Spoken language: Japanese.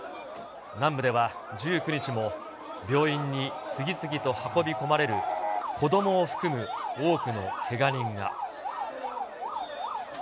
南部では１９日も、病院に次々と運び込まれる子どもを含む多くのけが人が。